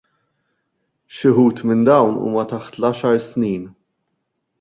Xi wħud minn dawn huma taħt l-għaxar snin.